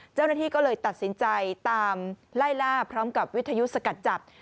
เจ้าหน้าที่ก็เลยตัดสินใจตามไล่ล่าพร้อมกับวิทยุสกัดจับ